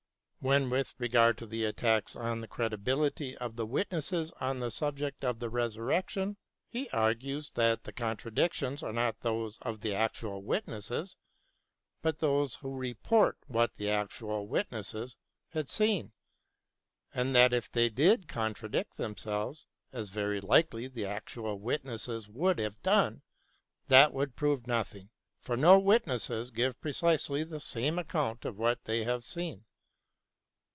Then with regard to the attacks on the credibility of the witnesses on the subject of the Resurrection, he argues that the contra dictions are not those of the actual witnesses, but those who report what the actual witnesses had seen ; and that if they did contradict them selves, as very likely the actual witnesses would have done, that would prove nothing, for no witnesses give precisely the same account of what they have seen.